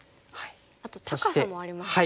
あと高さもありますね。